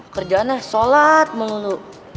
kerjaannya sholat melulu